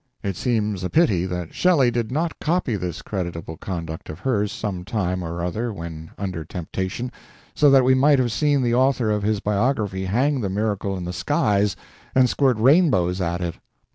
It seems a pity that Shelley did not copy this creditable conduct of hers some time or other when under temptation, so that we might have seen the author of his biography hang the miracle in the skies and squirt rainbows at it.